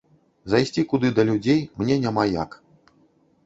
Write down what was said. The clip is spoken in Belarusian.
Зайсці куды да людзей мне няма як.